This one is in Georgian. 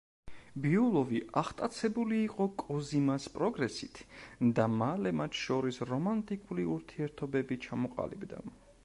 ბიულოვი აღტაცებული იყო კოზიმას პროგრესით და მალე მათ შორის რომანტიკული ურთიერთობები ჩამოყალიბდა.